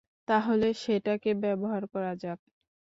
তাহলে সেটাকে ব্যবহার করা যাক।